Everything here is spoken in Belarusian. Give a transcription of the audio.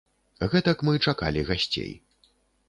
Гэтак мы чакалі гасцей.